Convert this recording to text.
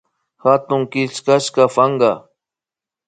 Hatuy killkashka panka